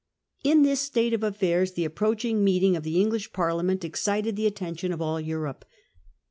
In this state of affairs the approaching meeting of the English Parliament excited the attention of all Europe.